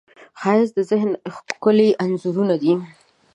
ښایست د ذهن ښکلي انځورونه دي